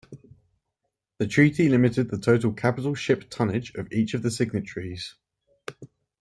The treaty limited the total capital ship tonnage of each of the signatories.